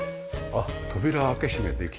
扉開け閉めできる。